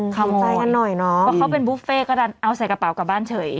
คำนวณของใจกันหน่อยเนอะอืมคือเขาเป็นบุฟเฟต์ก็เอาใส่กระเป๋ากลับบ้านเฉย